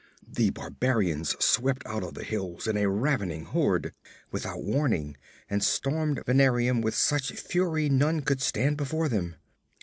The barbarians swept out of the hills in a ravening horde, without warning, and stormed Venarium with such fury none could stand before them.